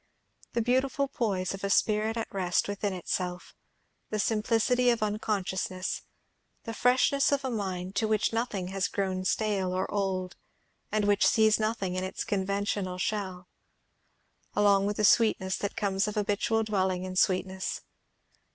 The beautiful poise of a spirit at rest within itself; the simplicity of unconsciousness; the freshness of a mind to which nothing has grown stale or old, and which sees nothing in its conventional shell; along with the sweetness that comes of habitual dwelling in sweetness.